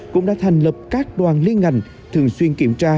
cũng đã thành lập các đoàn liên ngành thường xuyên kiểm tra